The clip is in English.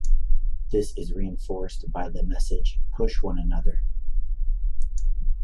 This is reinforced by the message Push One Another!